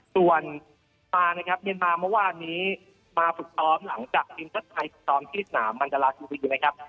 ส่วนมานะครับเมียนมาเมื่อวานนี้มาฝึกซ้อมหลังจากทีมชาติไทยฝึกซ้อมที่สนามบรรดาราชีวีนะครับ